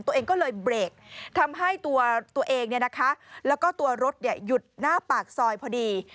ตัวเองก็เลยเบรกทำให้ตัวตัวเองแล้วก็ตัวรถหยุดหน้าปากซอยพอดี